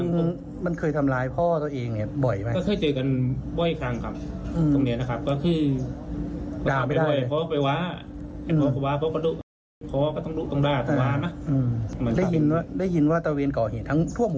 ตรงเนียมันไม่ใช่ตรงเนียไม่ใช่จะโปรดห้องบ้านตัวเอง